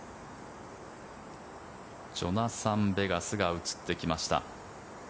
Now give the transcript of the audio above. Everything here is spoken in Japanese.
ジョナサン・ベガスが映ってきました。